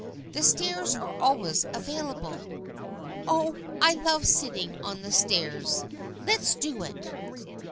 " The stairs are always available." " Oh, I love sitting on the stairs. Let's do it."